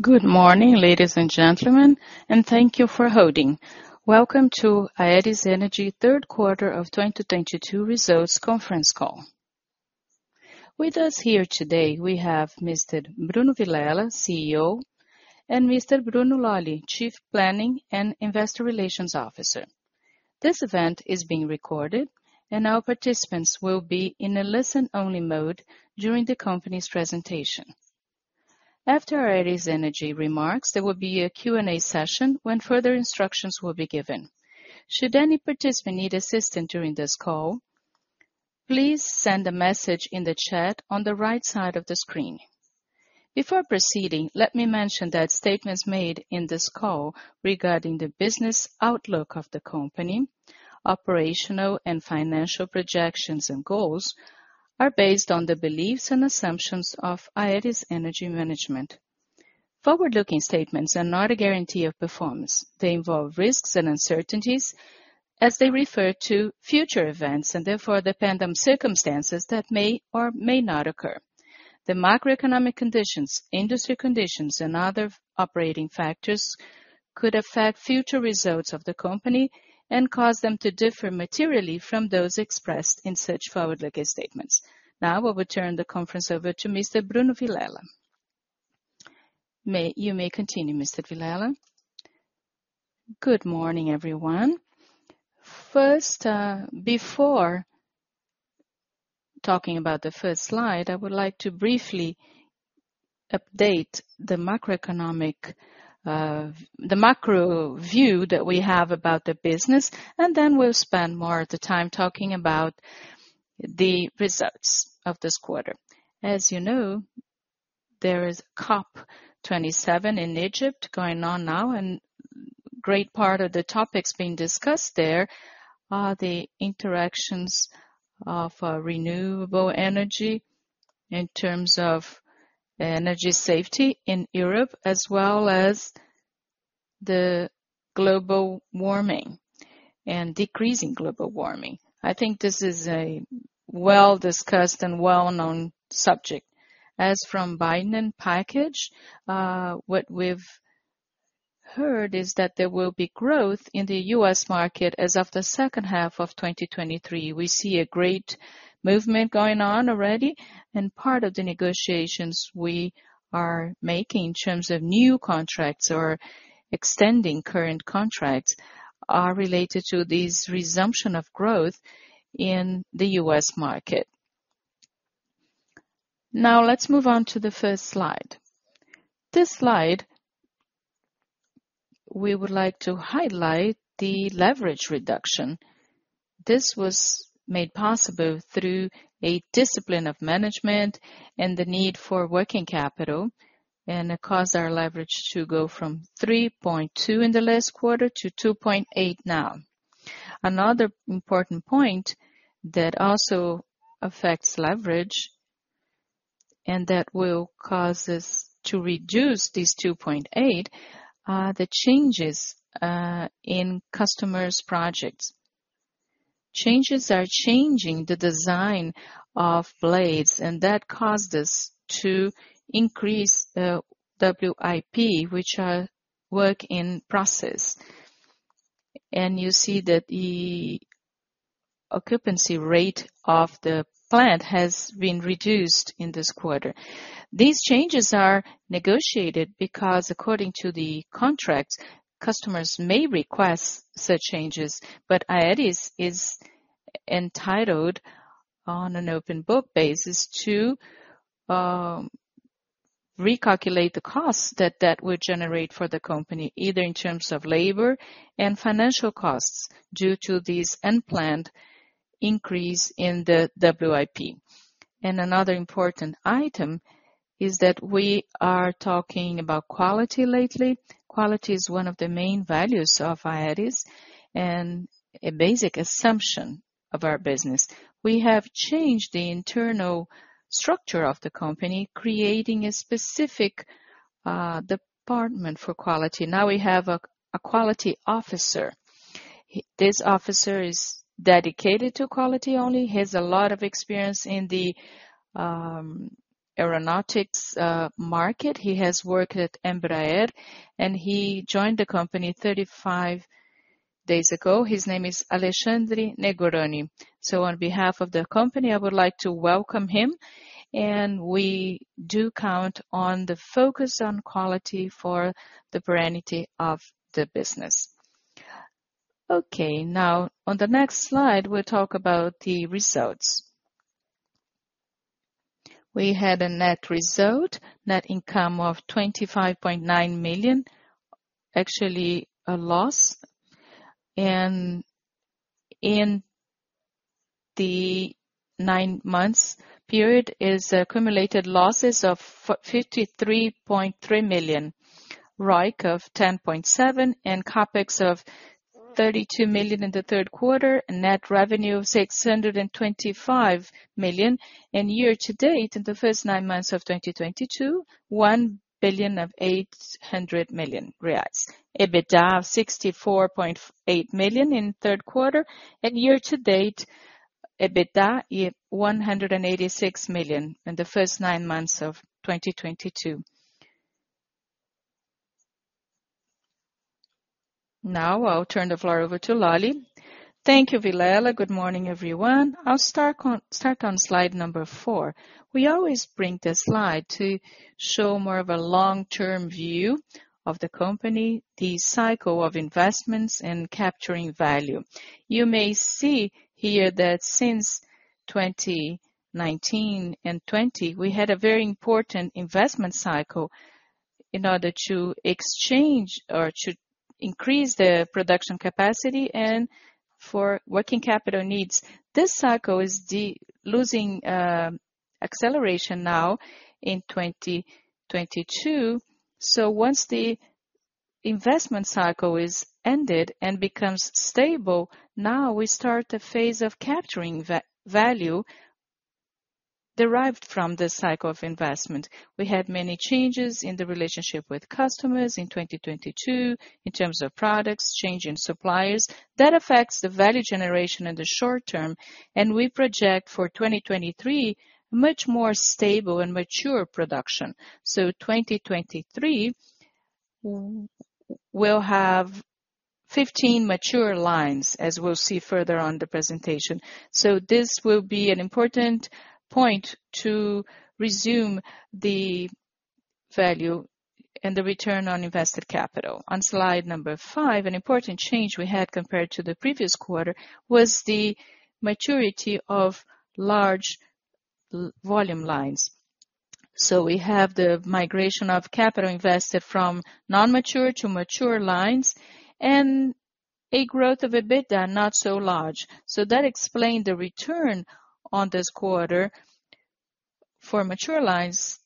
Good morning, ladies and gentlemen, and thank you for holding. Welcome to Aeris Energy third quarter of 2022 results conference call. With us here today we have Mr. Bruno Vilela, CEO, and Mr. Bruno Lolli, Chief Planning and Investor Relations Officer. This event is being recorded and our participants will be in a listen-only mode during the company's presentation. After Aeris Energy remarks, there will be a Q&A session when further instructions will be given. Should any participant need assistance during this call, please send a message in the chat on the right side of the screen. Before proceeding, let me mention that statements made in this call regarding the business outlook of the company, operational and financial projections and goals are based on the beliefs and assumptions of Aeris Energy management. Forward-looking statements are not a guarantee of performance. They involve risks and uncertainties as they refer to future events, and therefore depend on circumstances that may or may not occur. The macroeconomic conditions, industry conditions, and other operating factors could affect future results of the company and cause them to differ materially from those expressed in such forward-looking statements. Now I will turn the conference over to Mr. Bruno Vilela. You may continue, Mr. Vilela. Good morning, everyone. First, before talking about the first slide, I would like to briefly update the macroeconomic, the macro view that we have about the business, and then we'll spend more of the time talking about the results of this quarter. As you know, there is COP27 in Egypt going on now, and great part of the topics being discussed there are the interactions of renewable energy in terms of energy safety in Europe, as well as the global warming and decreasing global warming. I think this is a well-discussed and well-known subject. As from Biden package, what we've heard is that there will be growth in the U.S. market as of the second half of 2023. We see a great movement going on already, and part of the negotiations we are making in terms of new contracts or extending current contracts are related to this resumption of growth in the U.S. market. Now let's move on to the first slide. This slide, we would like to highlight the leverage reduction. This was made possible through a discipline of management and the need for working capital, and it caused our leverage to go from 3.2x in the last quarter to 2.8x now. Another important point that also affects leverage and that will cause us to reduce this 2.8x are the changes in customers' projects. Changes are changing the design of blades, and that caused us to increase the WIP, which are work in process. You see that the occupancy rate of the plant has been reduced in this quarter. These changes are negotiated because according to the contracts, customers may request such changes, but Aeris is entitled on an open book basis to recalculate the costs that would generate for the company, either in terms of labor and financial costs due to this unplanned increase in the WIP. Another important item is that we are talking about quality lately. Quality is one of the main values of Aeris and a basic assumption of our business. We have changed the internal structure of the company, creating a specific department for quality. Now we have a quality officer. This officer is dedicated to quality only. He has a lot of experience in the aeronautics market. He has worked at Embraer, and he joined the company 35 days ago. His name is Alexandre Negroni. On behalf of the company, I would like to welcome him, and we do count on the focus on quality for the serenity of the business. Okay. Now on the next slide, we'll talk about the results. We had a net result, net income of 25.9 million. Actually a loss. In the nine months period, accumulated losses of 53.3 million, ROIC of 10.7%, and CapEx of 32 million in the third quarter, net revenue of 625 million. Year to date, in the first nine months of 2022, 1.8 billion. EBITDA of 64.8 million in third quarter and year to date, EBITDA 186 million in the first nine months of 2022. Now I'll turn the floor over to Lolli. Thank you, Vilela. Good morning, everyone. I'll start on slide 4. We always bring this slide to show more of a long-term view of the company, the cycle of investments and capturing value. You may see here that since 2019 and 2020, we had a very important investment cycle in order to exchange or to increase the production capacity and for working capital needs. This cycle is losing acceleration now in 2022. Once the investment cycle is ended and becomes stable, now we start the phase of capturing value derived from this cycle of investment. We had many changes in the relationship with customers in 2022 in terms of products, change in suppliers. That affects the value generation in the short-term, and we project for 2023, much more stable and mature production. 2023, we'll have 15 mature lines, as we'll see further on the presentation. This will be an important point to resume the value and the return on invested capital. On slide 5, an important change we had compared to the previous quarter was the maturity of large volume lines. We have the migration of capital invested from non-mature to mature lines and a growth of EBITDA not so large. That explained the return on this quarter for mature lines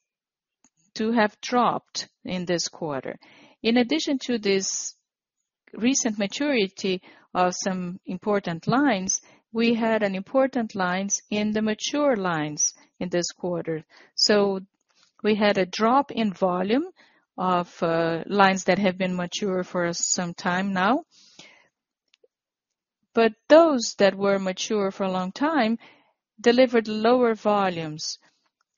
to have dropped in this quarter. In addition to this recent maturity of some important lines, we had an important lines in the mature lines in this quarter. We had a drop in volume of lines that have been mature for some time now. Those that were mature for a long time delivered lower volumes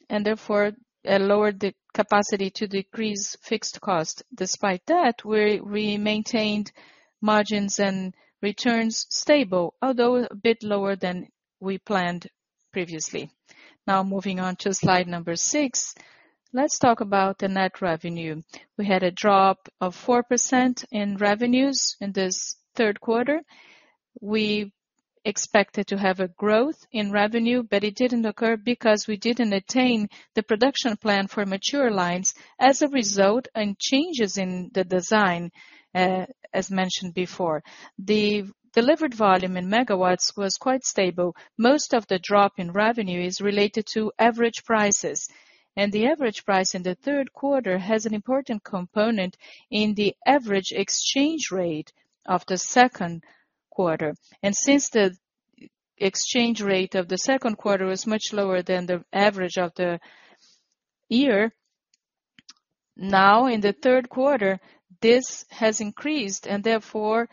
and therefore lowered the capacity to decrease fixed cost. Despite that, we maintained margins and returns stable, although a bit lower than we planned previously. Now, moving on to slide 6, let's talk about the net revenue. We had a drop of 4% in revenues in this third quarter. We expected to have a growth in revenue, but it didn't occur because we didn't attain the production plan for mature lines as a result, and changes in the design, as mentioned before. The delivered volume in megawatts was quite stable. Most of the drop in revenue is related to average prices, and the average price in the third quarter has an important component in the average exchange rate of the second quarter. Since the exchange rate of the second quarter was much lower than the average of the year, now in the third quarter, this has increased and therefore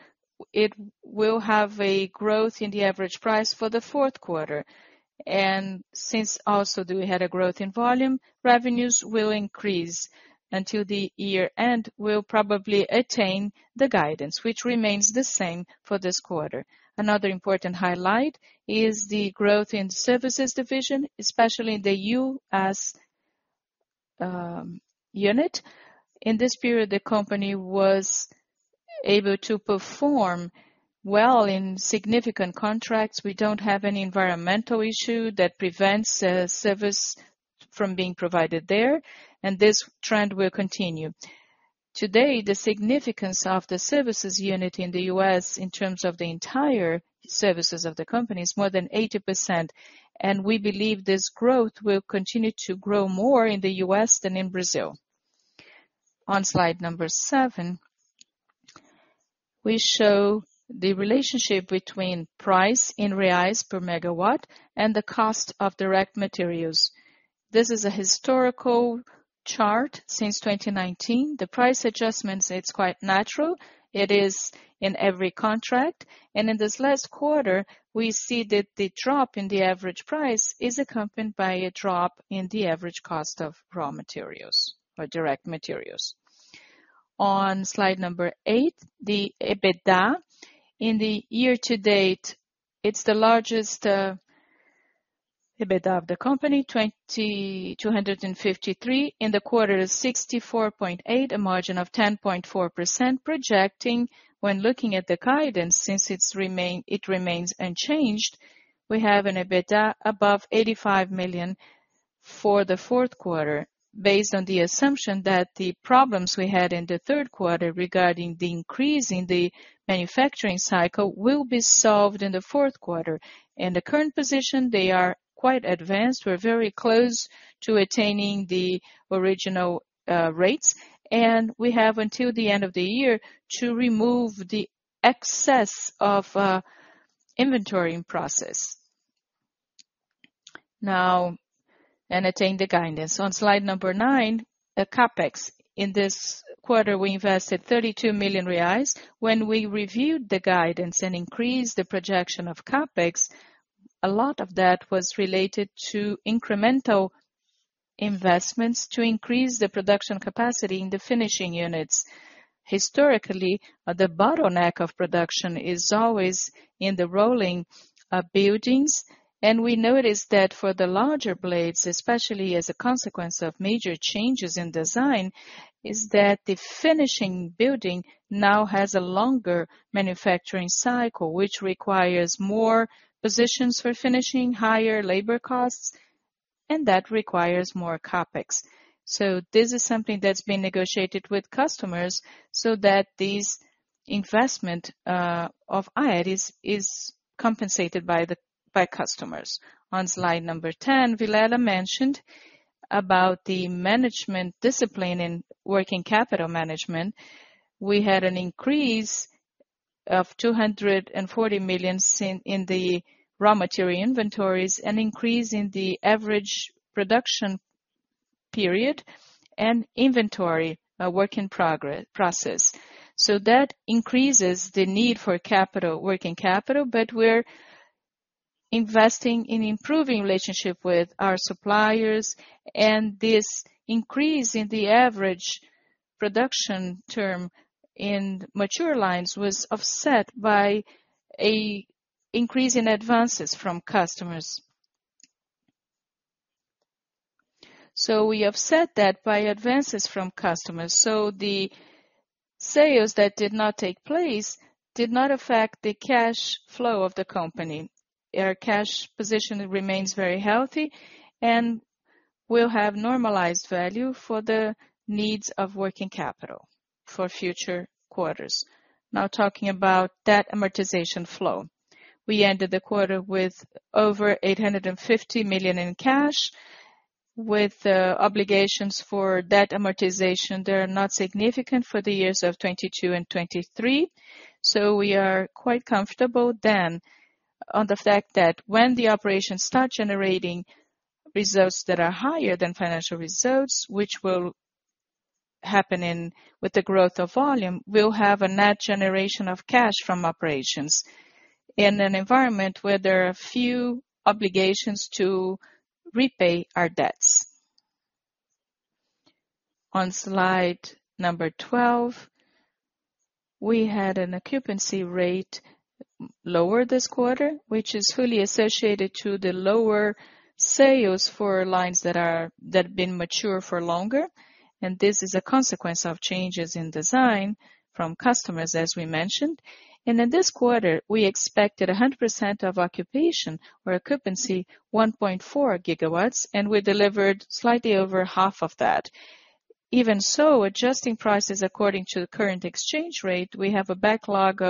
it will have a growth in the average price for the fourth quarter. Since we also had a growth in volume, revenues will increase until the year end. We'll probably attain the guidance, which remains the same for this quarter. Another important highlight is the growth in services division, especially in the U.S. unit. In this period, the company was able to perform well in significant contracts. We don't have any environmental issue that prevents service from being provided there, and this trend will continue. Today, the significance of the services unit in the U.S. in terms of the entire services of the company is more than 80%, and we believe this growth will continue to grow more in the U.S. than in Brazil. On slide 7, we show the relationship between price in reais per megawatt and the cost of direct materials. This is a historical chart since 2019. The price adjustments, it's quite natural. It is in every contract. In this last quarter, we see that the drop in the average price is accompanied by a drop in the average cost of raw materials or direct materials. On slide 8, the EBITDA. In the year to date, it's the largest EBITDA of the company, 253. In the quarter, 64.8, a margin of 10.4%, projecting when looking at the guidance, since it remains unchanged, we have an EBITDA above 85 million for the fourth quarter. Based on the assumption that the problems we had in the third quarter regarding the increase in the manufacturing cycle will be solved in the fourth quarter. In the current position, they are quite advanced. We're very close to attaining the original rates, and we have until the end of the year to remove the excess of inventory in process. Now and attain the guidance. On slide 9, the CapEx. In this quarter, we invested 32 million reais. When we reviewed the guidance and increased the projection of CapEx, a lot of that was related to incremental investments to increase the production capacity in the finishing units. Historically, the bottleneck of production is always in the rolling buildings, and we noticed that for the larger blades, especially as a consequence of major changes in design, is that the finishing building now has a longer manufacturing cycle, which requires more positions for finishing, higher labor costs, and that requires more CapEx. This is something that's been negotiated with customers so that these investment of Aeris is compensated by customers. On slide 10, Vilela mentioned about the management discipline in working capital management. We had an increase of 240 million seen in the raw material inventories, an increase in the average production period and inventory, work in process. That increases the need for capital, working capital, but we're investing in improving relationship with our suppliers, and this increase in the average production term in mature lines was offset by a increase in advances from customers. We offset that by advances from customers. The sales that did not take place did not affect the cash flow of the company. Our cash position remains very healthy and will have normalized value for the needs of working capital for future quarters. Now talking about debt amortization flow. We ended the quarter with over 850 million in cash, with obligations for debt amortization that are not significant for the years of 2022 and 2023. We are quite comfortable then on the fact that when the operations start generating results that are higher than financial results, which will happen with the growth of volume, we'll have a net generation of cash from operations in an environment where there are few obligations to repay our debts. On slide 12, we had an occupancy rate lower this quarter, which is fully associated to the lower sales for lines that have been mature for longer, and this is a consequence of changes in design from customers, as we mentioned. In this quarter, we expected 100% occupancy 1.4 GW, and we delivered slightly over half of that. Even so, adjusting prices according to the current exchange rate, we have a backlog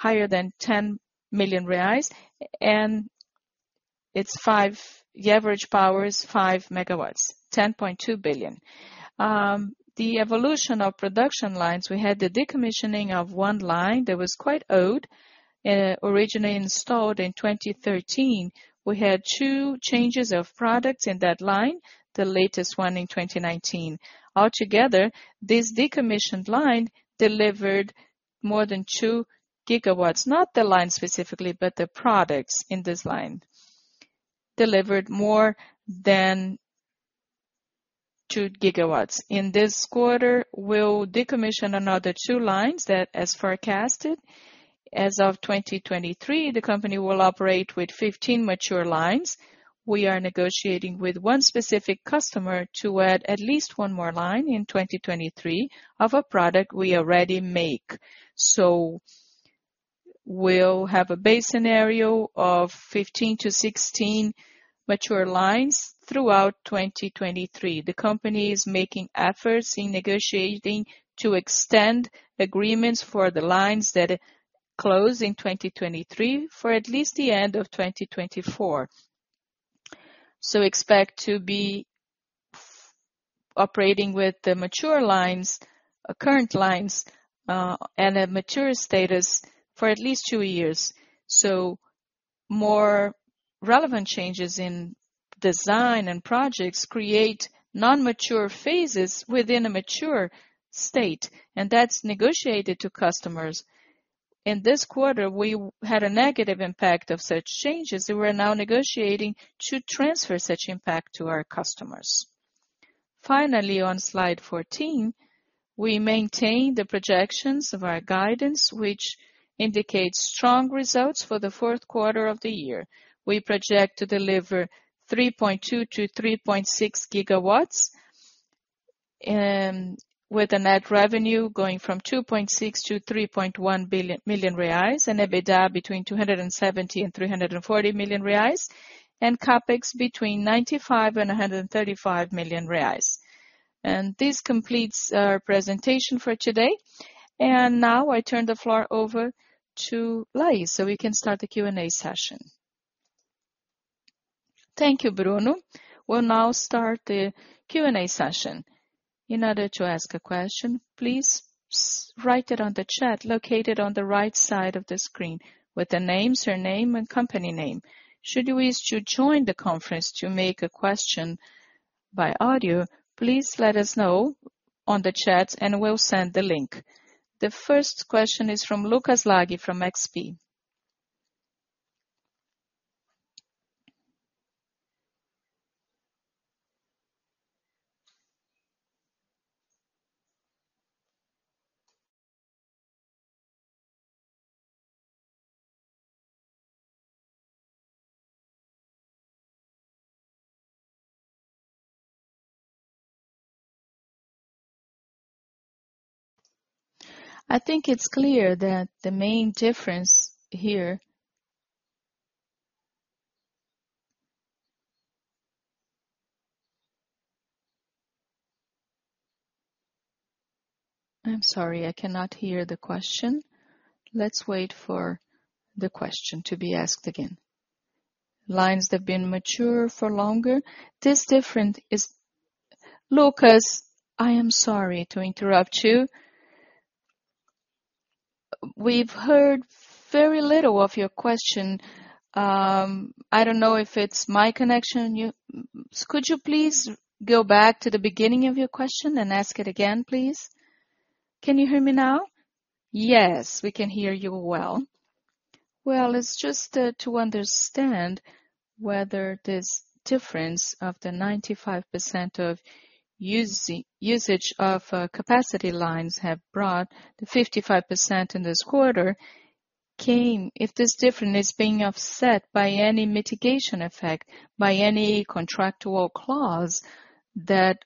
higher than 10 million reais, and it's five the average power is 5 MW, 10.2 billion. The evolution of production lines, we had the decommissioning of one line that was quite old, originally installed in 2013. We had two changes of products in that line, the latest one in 2019. Altogether, this decommissioned line delivered more than 2 GW. Not the line specifically, but the products in this line delivered more than 2 GW. In this quarter, we'll decommission another two lines that as forecasted. As of 2023, the company will operate with 15 mature lines. We are negotiating with one specific customer to add at least one more line in 2023 of a product we already make. We'll have a base scenario of 15-16 mature lines throughout 2023. The company is making efforts in negotiating to extend agreements for the lines that close in 2023 for at least the end of 2024. Expect to be operating with the mature lines, current lines, and a mature status for at least two years. More relevant changes in design and projects create non-mature phases within a mature state, and that's negotiated to customers. In this quarter, we had a negative impact of such changes. We are now negotiating to transfer such impact to our customers. Finally, on slide 14, we maintain the projections of our guidance, which indicates strong results for the fourth quarter of the year. We project to deliver 3.2 GW-3.6 GW, with a net revenue going from 2.6 billion-3.1 billion and EBITDA between 270 million and 340 million reais and CapEx between 95 million-135 million reais. This completes our presentation for today. Now I turn the floor over to Laís, so we can start the Q&A session. Thank you, Bruno. We'll now start the Q&A session. In order to ask a question, please write it on the chat located on the right side of the screen with your name and company name. Should you wish to join the conference to make a question by audio, please let us know on the chat and we'll send the link. The first question is from Lucas Laghi from XP. I'm sorry, I cannot hear the question. Let's wait for the question to be asked again. Lucas, I am sorry to interrupt you. We've heard very little of your question. I don't know if it's my connection. Could you please go back to the beginning of your question and ask it again, please? Can you hear me now? Yes, we can hear you well. Well, it's just to understand whether this difference of the 95% of usage of capacity lines have brought the 55% in this quarter came. If this difference is being offset by any mitigation effect, by any contractual clause that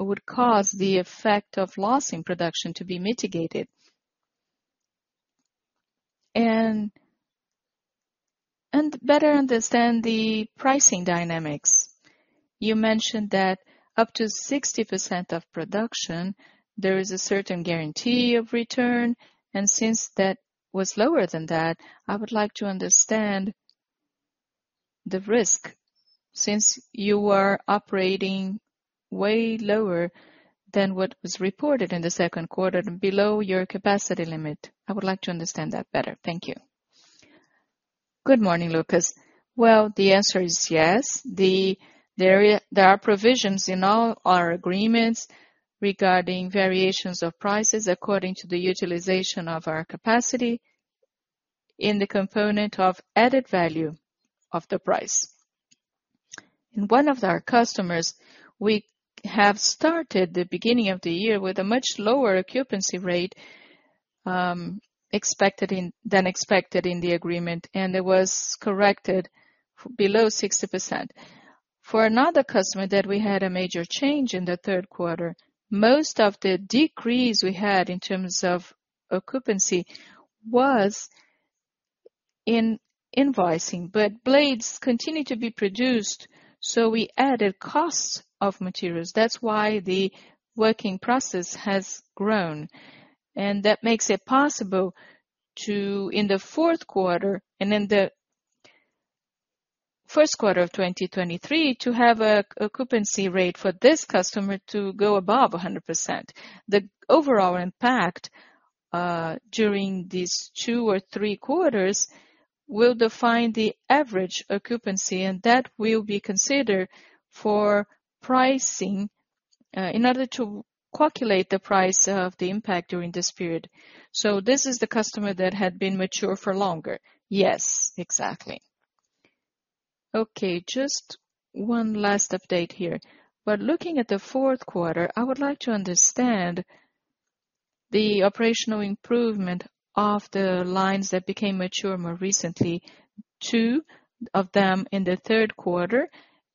would cause the effect of loss in production to be mitigated. Better understand the pricing dynamics. You mentioned that up to 60% of production, there is a certain guarantee of return, and since that was lower than that, I would like to understand the risk. Since you are operating way lower than what was reported in the second quarter below your capacity limit. I would like to understand that better. Thank you. Good morning, Lucas. Well, the answer is yes. There are provisions in all our agreements regarding variations of prices according to the utilization of our capacity in the component of added value of the price. With one of our customers, we have started the beginning of the year with a much lower occupancy rate than expected in the agreement, and it was corrected below 60%. For another customer that we had a major change in the third quarter, most of the decrease we had in terms of occupancy was in invoicing. Blades continued to be produced, so we added costs of materials. That's why the work in process has grown. That makes it possible to, in the fourth quarter and in the first quarter of 2023, to have an occupancy rate for this customer to go above 100%. The overall impact during these two or three quarters will define the average occupancy, and that will be considered for pricing in order to calculate the price of the impact during this period. This is the customer that had been mature for longer. Yes, exactly. Okay, just one last update here. Looking at the fourth quarter, I would like to understand the operational improvement of the lines that became mature more recently, 2 of them in the third quarter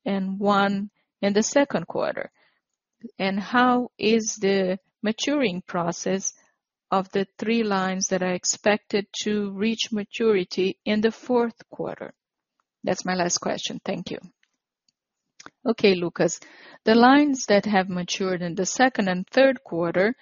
and 1 in the second quarter. How is the maturing process of the 3 lines that are expected to reach maturity in the fourth quarter? That's my last question. Thank you. Okay, Lucas. The lines that have matured in the second and third quarter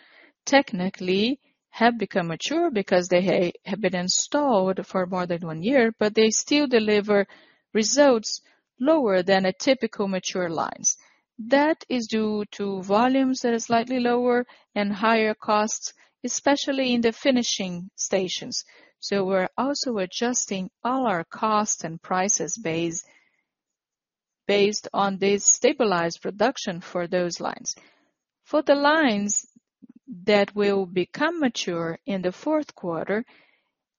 technically have become mature because they have been installed for more than 1 year, but they still deliver results lower than a typical mature lines. That is due to volumes that are slightly lower and higher costs, especially in the finishing stations. We're also adjusting all our costs and prices based on this stabilized production for those lines. For the lines that will become mature in the fourth quarter,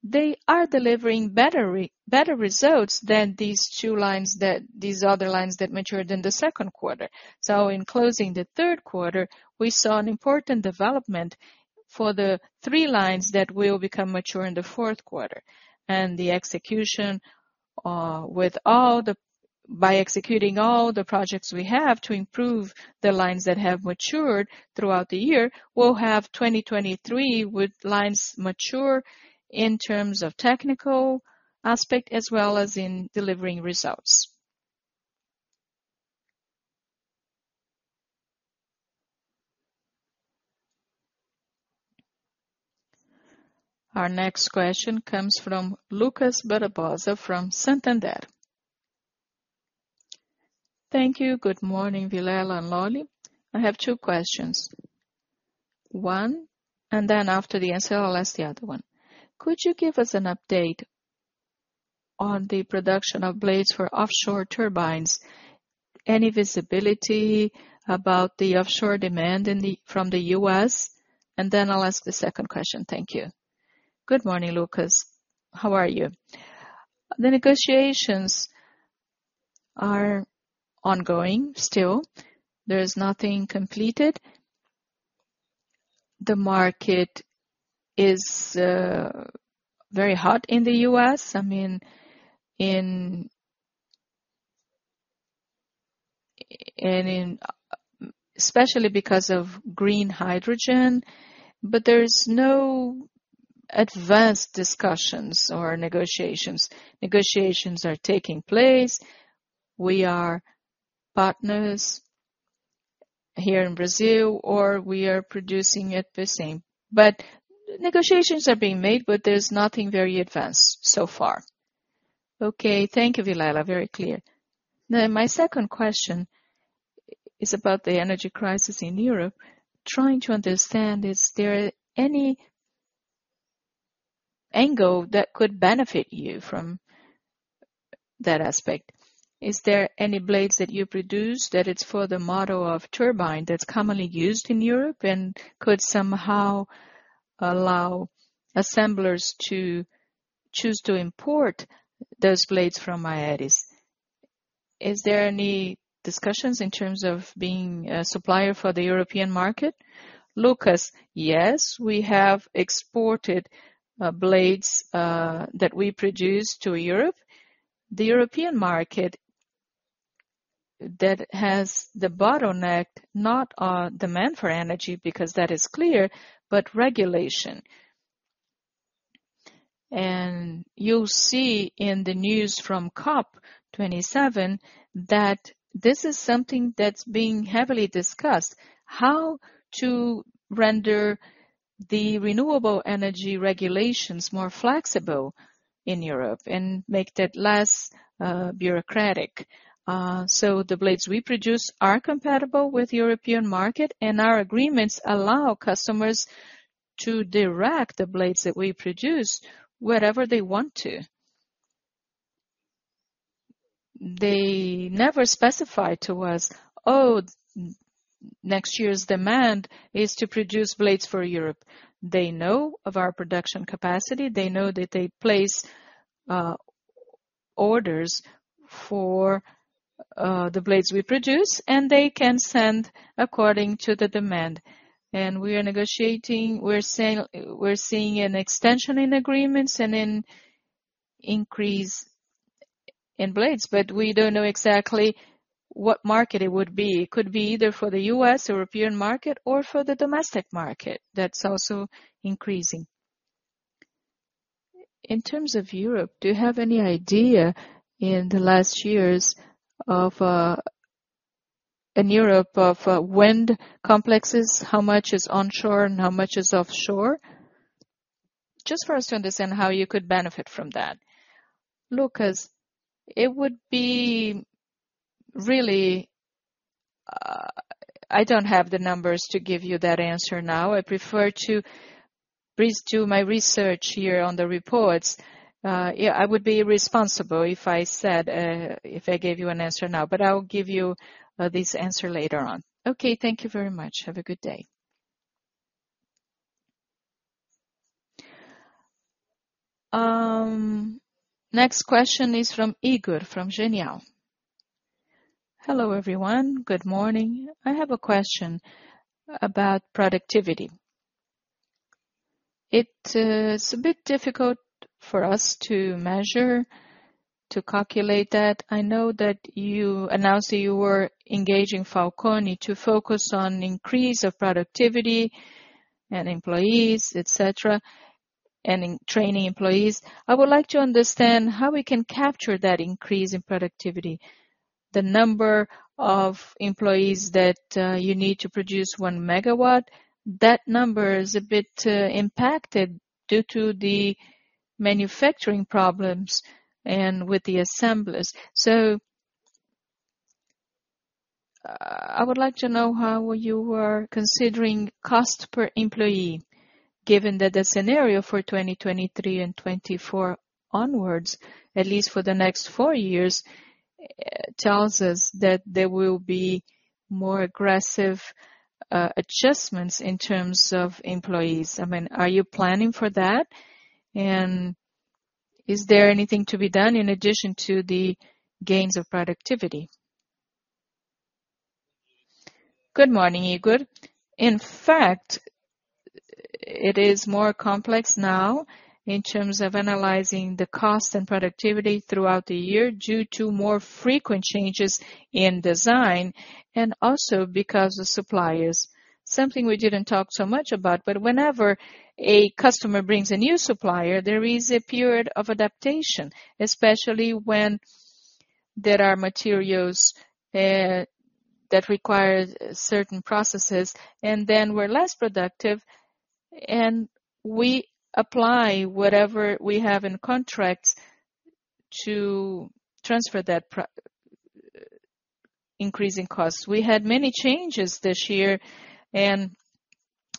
they are delivering better results than these other lines that matured in the second quarter. In closing the third quarter, we saw an important development for the three lines that will become mature in the fourth quarter. The execution, by executing all the projects we have to improve the lines that have matured throughout the year, we'll have 2023 with lines mature in terms of technical aspect as well as in delivering results. Our next question comes from Lucas Barbosa from Santander. Thank you. Good morning, Vilela and Lolli. I have two questions. One, and then after the answer, I'll ask the other one. Could you give us an update on the production of blades for offshore turbines? Any visibility about the offshore demand from the U.S.? Then I'll ask the second question. Thank you. Good morning, Lucas. How are you? The negotiations are ongoing still. There is nothing completed. The market is very hot in the U.S.. I mean, especially because of green hydrogen. There is no advanced discussions or negotiations. Negotiations are taking place. We are partners here in Brazil, or we are producing at Pecém. Negotiations are being made, but there's nothing very advanced so far. Okay. Thank you, Vilela. Very clear. Then my second question is about the energy crisis in Europe. Trying to understand, is there any angle that could benefit you from that aspect? Is there any blades that you produce that it's for the model of turbine that's commonly used in Europe and could somehow allow assemblers to choose to import those blades from Aeris? Is there any discussions in terms of being a supplier for the European market? Lucas, yes, we have exported blades that we produce to Europe. The European market that has the bottleneck, not on demand for energy, because that is clear, but regulation. You'll see in the news from COP27 that this is something that's being heavily discussed, how to render the renewable energy regulations more flexible in Europe and make that less bureaucratic. So the blades we produce are compatible with European market, and our agreements allow customers to direct the blades that we produce wherever they want to. They never specify to us, "Oh, next year's demand is to produce blades for Europe." They know of our production capacity. They know that they place orders for the blades we produce, and they can send according to the demand. We are negotiating. We're seeing an extension in agreements and an increase in blades, but we don't know exactly what market it would be. It could be either for the U.S. or European market or for the domestic market that's also increasing. In terms of Europe, do you have any idea in the last years in Europe of wind complexes, how much is onshore and how much is offshore? Just for us to understand how you could benefit from that. Lucas, I don't have the numbers to give you that answer now. I prefer to please do my research here on the reports. Yeah, I would be irresponsible if I gave you an answer now, but I'll give you this answer later on. Okay. Thank you very much. Have a good day. Next question is from Ygor from Genial. Hello, everyone. Good morning. I have a question about productivity. It is a bit difficult for us to measure, to calculate that. I know that you announced that you were engaging Falconi to focus on increase of productivity and employees, et cetera, and in training employees. I would like to understand how we can capture that increase in productivity. The number of employees that you need to produce one megawatt, that number is a bit impacted due to the manufacturing problems and with the assemblers. I would like to know how you were considering cost per employee, given that the scenario for 2023 and 2024 onwards, at least for the next 4 years, tells us that there will be more aggressive adjustments in terms of employees. I mean, are you planning for that? And is there anything to be done in addition to the gains of productivity? Good morning, Ygor. In fact, it is more complex now in terms of analyzing the cost and productivity throughout the year due to more frequent changes in design and also because of suppliers. Something we didn't talk so much about, but whenever a customer brings a new supplier, there is a period of adaptation, especially when there are materials that require certain processes and then we're less productive and we apply whatever we have in contracts to transfer that increase in costs. We had many changes this year and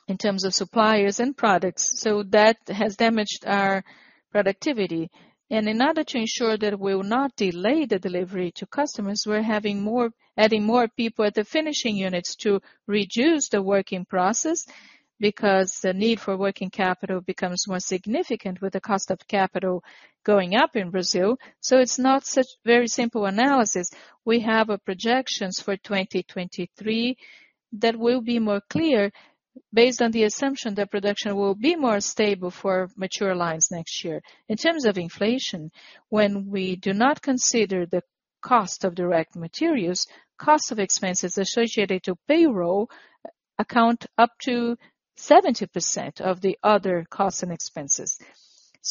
in terms of suppliers and products, so that has damaged our productivity. In order to ensure that we will not delay the delivery to customers, we're adding more people at the finishing units to reduce the working process because the need for working capital becomes more significant with the cost of capital going up in Brazil. It's not such very simple analysis. We have a projections for 2023 that will be more clear based on the assumption that production will be more stable for mature lines next year. In terms of inflation, when we do not consider the cost of direct materials, cost of expenses associated to payroll account up to 70% of the other costs and expenses.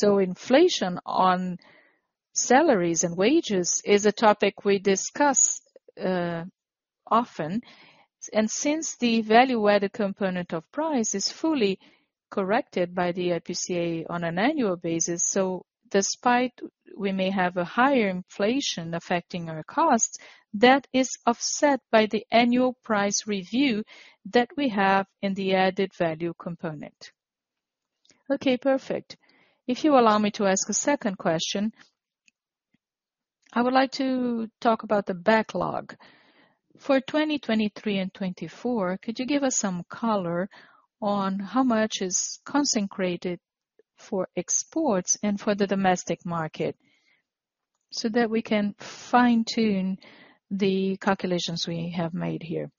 Inflation on salaries and wages is a topic we discuss often. Since the value-added component of price is fully corrected by the IPCA on an annual basis. Despite we may have a higher inflation affecting our costs, that is offset by the annual price review that we have in the added value component. Okay, perfect. If you allow me to ask a second question. I would like to talk about the backlog. For 2023 and 2024, could you give us some color on how much is concentrated for exports and for the domestic market, so that we can fine-tune the calculations we have made here.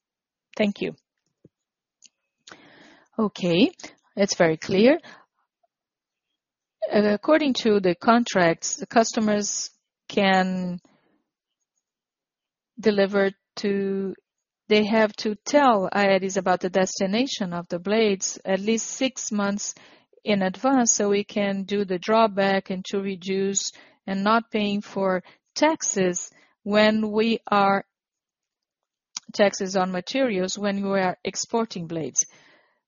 Thank you. Okay, that's very clear. According to the contracts, they have to tell Aeris about the destination of the blades at least six months in advance so we can do the drawback and to reduce and not paying for taxes on materials when we are exporting blades.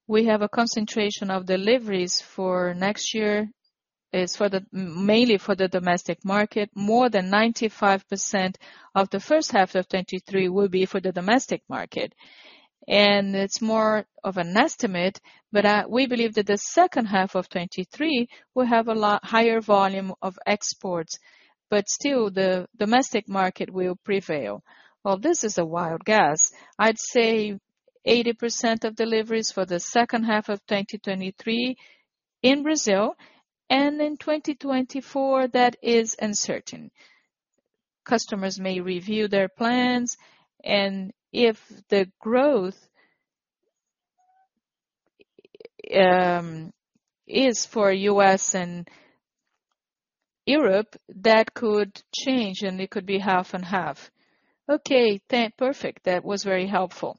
We have a concentration of deliveries for next year mainly for the domestic market. More than 95% of the first half of 2023 will be for the domestic market. It's more of an estimate, but we believe that the second half of 2023 will have a lot higher volume of exports. Still the domestic market will prevail. Well, this is a wild guess. I'd say 80% of deliveries for the second half of 2023 in Brazil and in 2024, that is uncertain. Customers may review their plans, and if the growth is for U.S. and Europe, that could change and it could be half and half. Okay. Perfect. That was very helpful.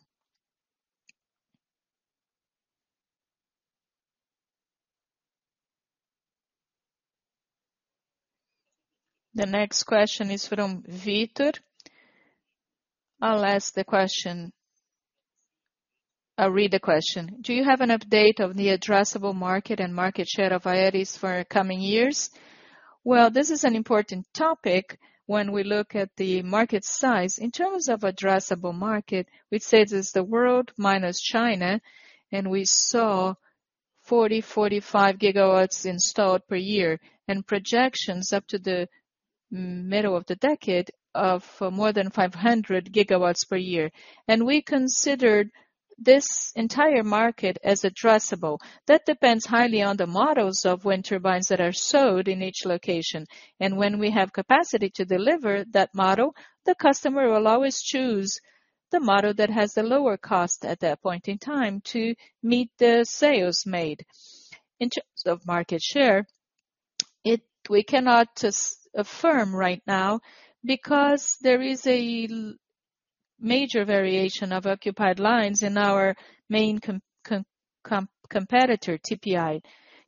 The next question is from Victor. I'll ask the question. I'll read the question. Do you have an update of the addressable market and market share of Aeris for coming years? Well, this is an important topic when we look at the market size. In terms of addressable market, we'd say this is the world minus China, and we saw 40 GW-45 GW installed per year and projections up to the middle of the decade of more than 500 GW per year. We considered this entire market as addressable. That depends highly on the models of wind turbines that are sold in each location. When we have capacity to deliver that model, the customer will always choose the model that has the lower cost at that point in time to meet the sales made. In terms of market share, we cannot just affirm right now because there is a major variation of occupied lines in our main competitor, TPI.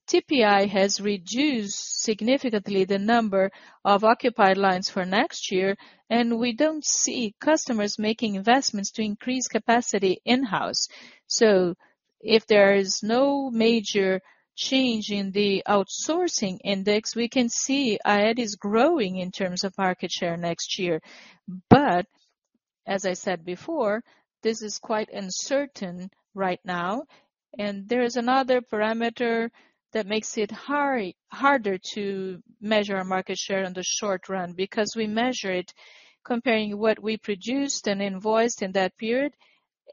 TPI has reduced significantly the number of occupied lines for next year, and we don't see customers making investments to increase capacity in-house. If there is no major change in the outsourcing index, we can see Aeris growing in terms of market share next year. As I said before, this is quite uncertain right now, and there is another parameter that makes it harder to measure our market share in the short run because we measure it comparing what we produced and invoiced in that period and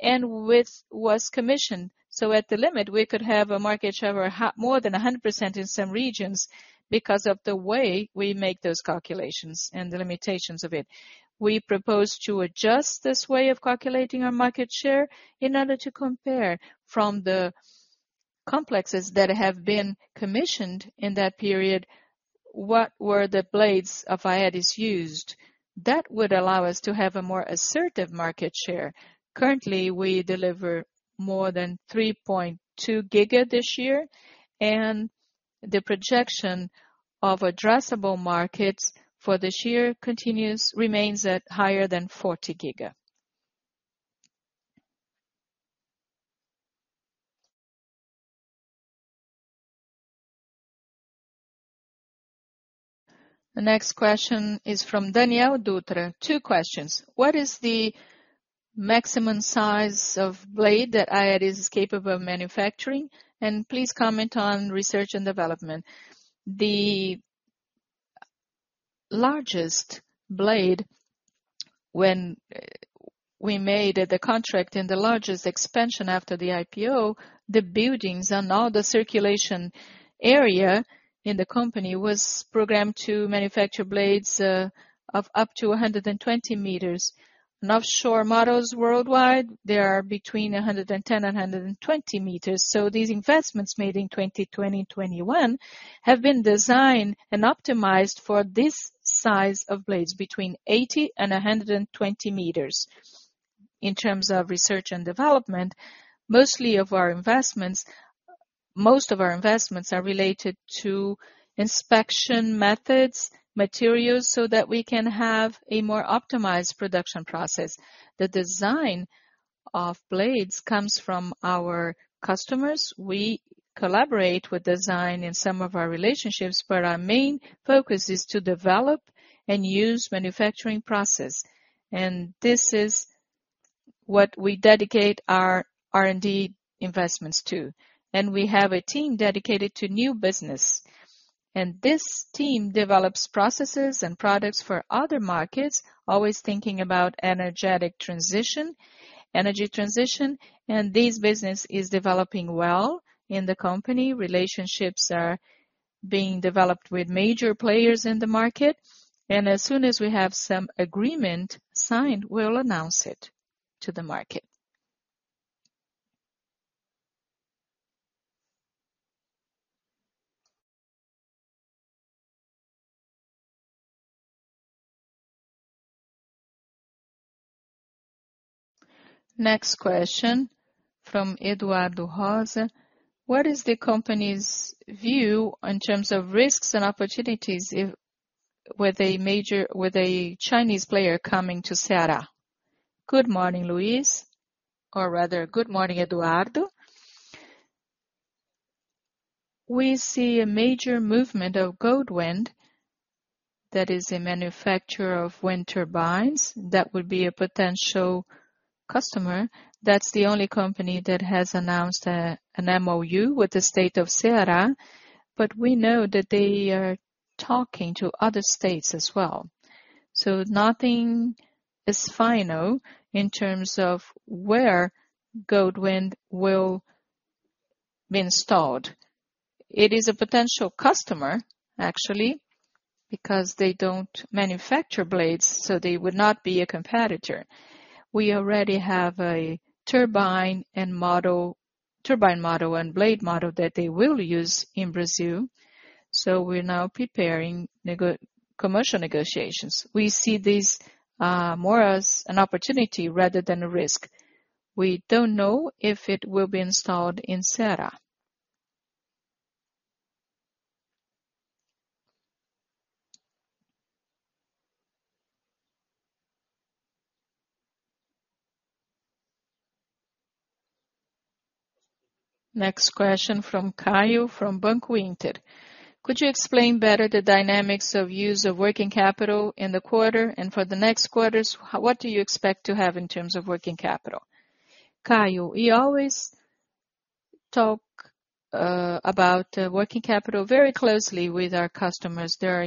which was commissioned. At the limit, we could have a market share of more than 100% in some regions because of the way we make those calculations and the limitations of it. We propose to adjust this way of calculating our market share in order to compare from the complexes that have been commissioned in that period, what were the blades of Aeris used. That would allow us to have a more assertive market share. Currently, we deliver more than 3.2 GW this year, and the projection of addressable markets for this year continues, remains at higher than 40 GW. The next question is from Danielle Dutra. Two questions. What is the maximum size of blade that Aeris is capable of manufacturing? And please comment on research and development. The largest blade when we made the contract and the largest expansion after the IPO, the buildings and all the circulation area in the company was programmed to manufacture blades of up to 120 meters. In offshore models worldwide, they are between 110 and 120 meters. These investments made in 2020, 2021 have been designed and optimized for this size of blades, between 80 m and 120 m. In terms of research and development, most of our investments are related to inspection methods, materials, so that we can have a more optimized production process. The design of blades comes from our customers. We collaborate with design in some of our relationships, but our main focus is to develop and use manufacturing process. This is what we dedicate our R&D investments to. We have a team dedicated to new business. This team develops processes and products for other markets, always thinking about energetic transition, energy transition. This business is developing well in the company. Relationships are being developed with major players in the market. As soon as we have some agreement signed, we'll announce it to the market. Next question from Eduardo Rosa. What is the company's view in terms of risks and opportunities with a major Chinese player coming to Ceará? Good morning, Luis. Or rather, good morning, Eduardo. We see a major movement of Goldwind that is a manufacturer of wind turbines that would be a potential customer. That's the only company that has announced an MOU with the state of Ceará, but we know that they are talking to other states as well. Nothing is final in terms of where Goldwind will be installed. It is a potential customer, actually, because they don't manufacture blades, so they would not be a competitor. We already have a turbine model and blade model that they will use in Brazil. We're now preparing commercial negotiations. We see this more as an opportunity rather than a risk. We don't know if it will be installed in Ceará. Next question from Caio from Banco Inter. Could you explain better the dynamics of use of working capital in the quarter and for the next quarters, what do you expect to have in terms of working capital? Caio, we always talk about working capital very closely with our customers. There are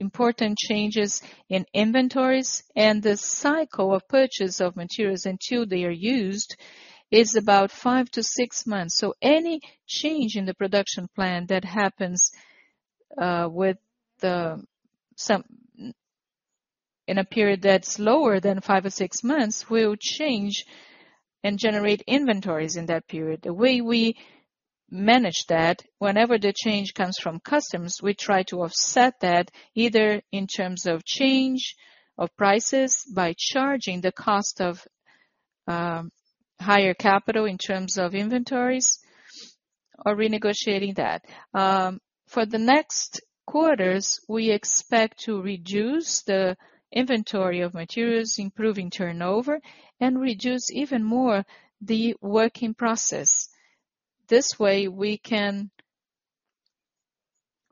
important changes in inventories, and the cycle of purchase of materials until they are used is about 5-6 months. Any change in the production plan that happens in a period that's lower than 5-6 months will change and generate inventories in that period. The way we manage that, whenever the change comes from customs, we try to offset that either in terms of change of prices by charging the cost of higher capital in terms of inventories or renegotiating that. For the next quarters, we expect to reduce the inventory of materials, improving turnover, and reduce even more the work in process. This way, we can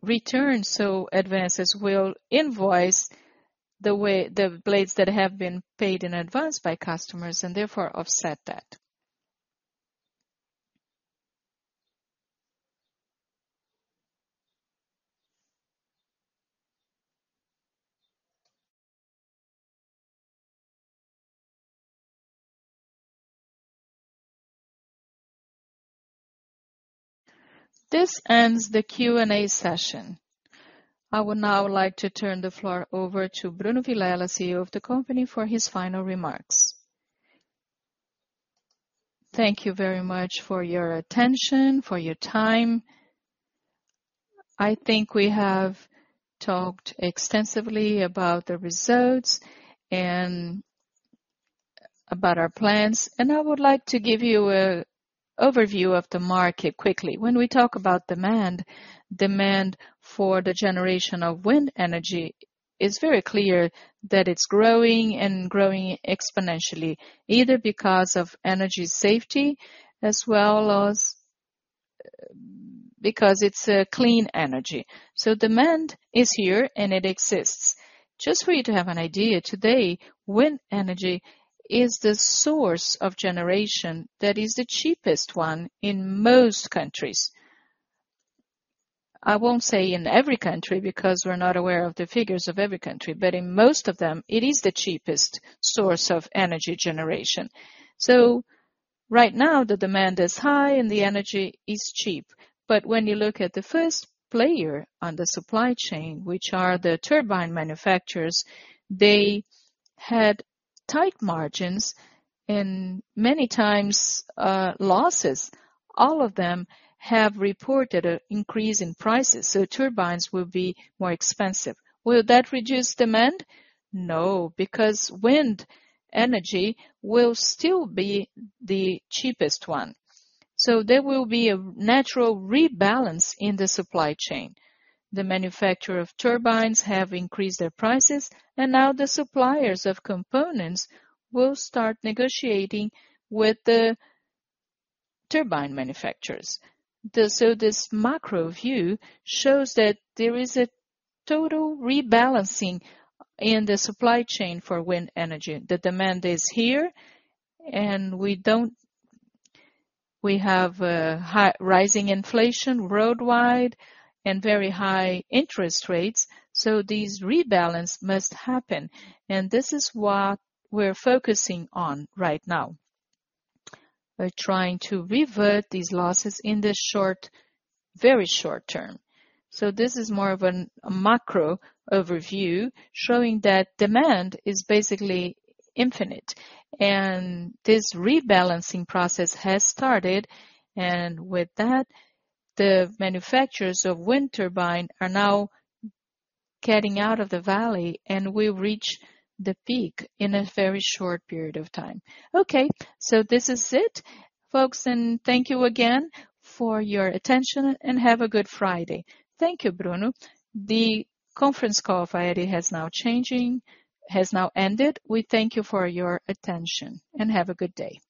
return, so advances will invoice the blades that have been paid in advance by customers, and therefore offset that. This ends the Q&A session. I would now like to turn the floor over to Bruno Vilela, CEO of the company, for his final remarks. Thank you very much for your attention, for your time. I think we have talked extensively about the results and about our plans, and I would like to give you an overview of the market quickly. When we talk about demand for the generation of wind energy. It's very clear that it's growing and growing exponentially, either because of energy safety as well as because it's a clean energy. Demand is here and it exists. Just for you to have an idea today, wind energy is the source of generation that is the cheapest one in most countries. I won't say in every country because we're not aware of the figures of every country, but in most of them it is the cheapest source of energy generation. Right now the demand is high and the energy is cheap. When you look at the first player on the supply chain, which are the turbine manufacturers, they had tight margins and many times, losses. All of them have reported an increase in prices, so turbines will be more expensive. Will that reduce demand? No, because wind energy will still be the cheapest one. There will be a natural rebalance in the supply chain. The manufacturer of turbines have increased their prices and now the suppliers of components will start negotiating with the turbine manufacturers. This macro view shows that there is a total rebalancing in the supply chain for wind energy. The demand is here and we have a high rising inflation worldwide and very high interest rates. This rebalance must happen. This is what we're focusing on right now. We're trying to revert these losses in the short, very short term. This is more of a macro overview showing that demand is basically infinite. This rebalancing process has started. With that, the manufacturers of wind turbine are now getting out of the valley, and we reach the peak in a very short period of time. Okay, this is it, folks. Thank you again for your attention and have a good Friday. Thank you, Bruno. The conference call has now ended. We thank you for your attention and have a good day.